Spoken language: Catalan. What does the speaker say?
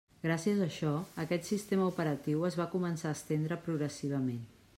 Gràcies a això, aquest sistema operatiu es va començar a estendre progressivament.